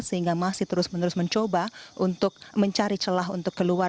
sehingga masih terus menerus mencoba untuk mencari celah untuk keluar